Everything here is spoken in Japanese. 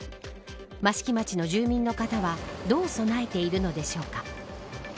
益城町の住民の方はどう備えているのでしょうか。